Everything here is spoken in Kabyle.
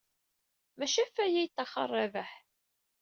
Maci ɣef waya ay yettaxer Rabaḥ.